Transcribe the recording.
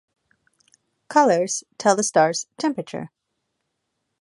Colors tell the star's "temperature".